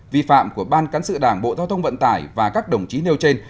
vi phạm của ban cán sự đảng bộ giao thông vận tải và các đồng chí nêu trên